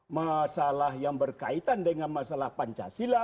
masalah yang berkaitan dengan masalah pancasila